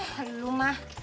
eh lu mah